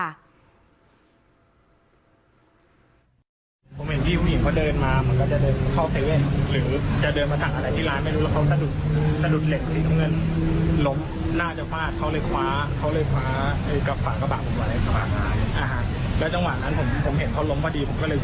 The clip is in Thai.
เดี๋ยวกับที่แฟนเขาที่มากินด้วยกันเขาวิ่งเข้ามาถึงตัวพี่ผู้หญิงพอดี